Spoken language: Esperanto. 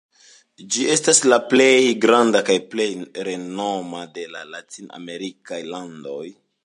Ĝi estas la plej granda kaj plej renoma de la latin-amerikaj landoj.